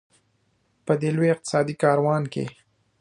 په دې لوی اقتصادي کاروان کې.